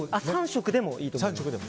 ３色でもいいと思います。